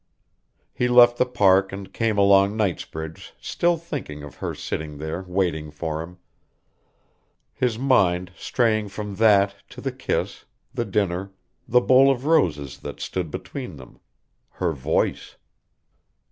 He left the Park and came along Knightsbridge still thinking of her sitting there waiting for him, his mind straying from that to the kiss, the dinner, the bowl of roses that stood between them her voice.